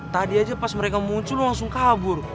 tadi aja pas mereka muncul langsung kabur